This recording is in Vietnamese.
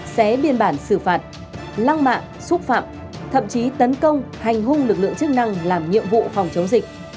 xé biên bản xử phạt lăng mạ xúc phạm thậm chí tấn công hành hung lực lượng chức năng làm nhiệm vụ phòng chống dịch